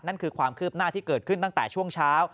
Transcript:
นั่นคือความคืบหน้าที่เกิดขึ้นตั้งแต่ช่วงเช้า